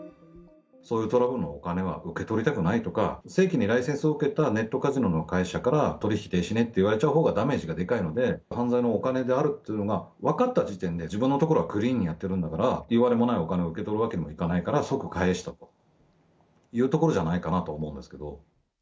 こういうトラブルのお金は受け取りたくないとか、正規のライセンスを受けたネットカジノの会社から、取り引き停止ねって言われちゃうほうがダメージがでかいので、犯罪のお金であるっていうのが分かった時点で、自分の所はクリーンにやってるんだから、いわれもないお金を受け取るわけにもいかない、即返したというところじゃないかなと思うんですけれども。